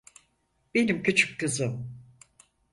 Benim küçük kızım.